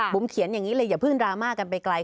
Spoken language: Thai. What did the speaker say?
ผมเขียนอย่างนี้เลยอย่าเพิ่งดราม่ากันไปไกล